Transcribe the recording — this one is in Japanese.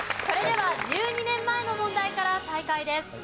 それでは１２年前の問題から再開です。